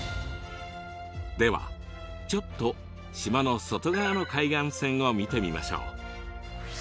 ではちょっと島の外側の海岸線を見てみましょう。